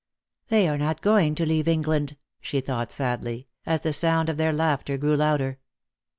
" They are not going to leave England," she thought sadly, as the sound of their laughter grew louder.